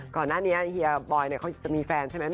ก่อนหน้านี้เฮียบอยเขาจะมีแฟนใช่ไหม